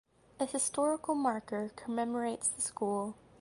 A historical marker commemorates the school.